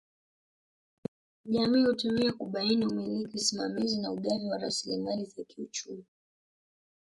Jamii hutumia kubaini umiliki usimamizi na ugavi wa rasilimali za kiuchumi